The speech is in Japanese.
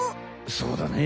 そうだね。